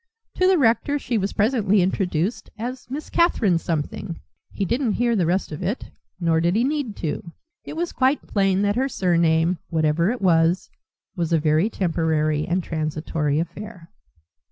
To the rector she was presently introduced as Miss Catherine Something he didn't hear the rest of it. Nor did he need to. It was quite plain that her surname, whatever it was, was a very temporary and transitory affair.